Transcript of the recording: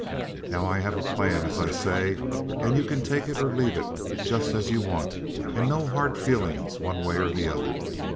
"Now, I have a plan, as I say, and you can take it or leave it, just as you want, and no hard feelings one way or the other.